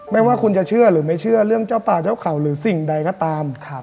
ไม่ว่าคุณจะเชื่อหรือไม่เชื่อเรื่องเจ้าป่าเจ้าเขาหรือสิ่งใดก็ตาม